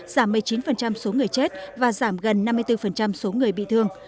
giảm một mươi chín số người chết và giảm gần năm mươi bốn số người bị thương